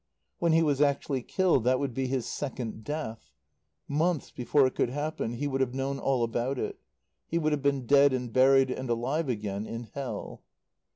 When he was actually killed that would be his second death; months before it could happen he would have known all about it; he would have been dead and buried and alive again in hell.